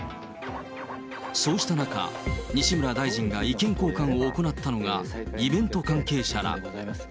そうした中、西村大臣が意見交換を行ったのがイベント関係者ら。